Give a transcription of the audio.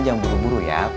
ya pelan pelan aja ya